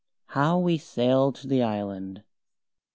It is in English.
HOW WE SAILED TO THE ISLAND.